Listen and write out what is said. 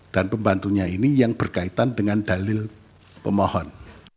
dan pembantunya ini yang berkaitan dengan dalil pemohon